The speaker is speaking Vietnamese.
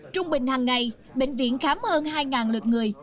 trung bình hàng ngày bệnh viện khám hơn hai lượt người